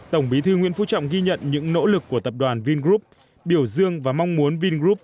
tổng bí thư nguyễn phú trọng ghi nhận những nỗ lực của tập đoàn vingroup biểu dương và mong muốn vingroup